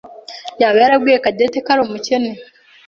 yaba yarabwiye Cadette ko ari umukene?